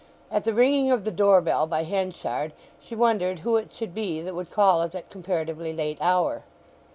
At the ringing of the door bell by Henchard she wondered who it should be that would call at that comparatively late hour.